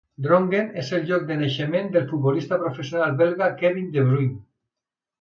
Drongen és el lloc de naixement del futbolista professional belga Kevin De Bruyne.